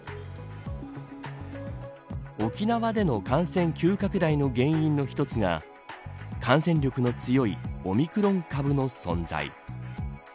沖縄での感染急拡大の原因の一つが感染力の強いオミクロン株の存在。